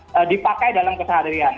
eee dipakai dalam kesehadrian